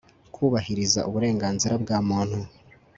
kwubahiriza uburenganzira bwa muntu